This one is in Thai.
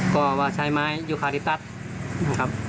ก็ว่าใช้ไม้ยูคาริตัสนะครับ